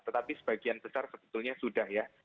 tetapi sebagian besar sebetulnya sudah ya